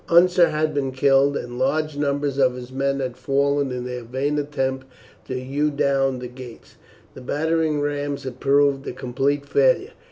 Unser had been killed, and large numbers of his men had fallen in their vain attempts to hew down the gates. The battering rams had proved a complete failure.